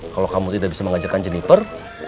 kalau kamu tidak bisa mengajarkan jenniper